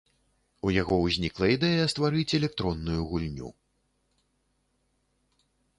У яго ўзнікла ідэя стварыць электронную гульню.